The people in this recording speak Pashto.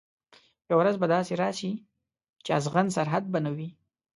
یوه ورځ به داسي راسي چي اغزن سرحد به نه وي